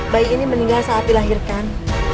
bayi ini meninggal saat dilahirkan